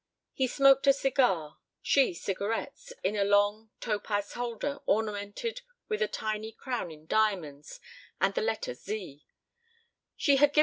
He smoked a cigar, she cigarettes in a long topaz holder ornamented with a tiny crown in diamonds and the letter Z.